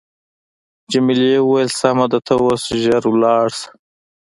جميلې وويل: سمه ده ته اوس ژر ولاړ شه.